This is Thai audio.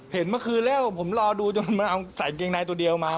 เห็นเมื่อคืนแล้วก็ผมรอดูดูจนเอาใส่เกงนายตัวเดียวมา